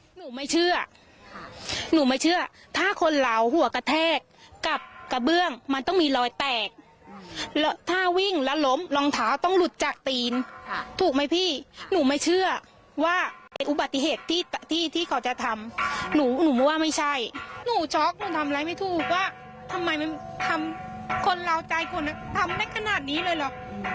หนูไม่เชื่อบัติเหตุที่เขาจะทำหนูหนูว่าไม่ใช่หนูช็อคหนูทำร้ายไม่ถูกว่าทำไมมันทำคนเหล่าใจคนทำได้ขนาดนี้เลยหรอก